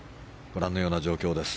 ご覧のような状況です。